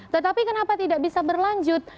tetapi kenapa tidak bisa berlanjut